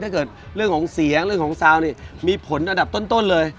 เรื่องของเสียงเรื่องของซาวนี่มีผลอันดับต้นเลย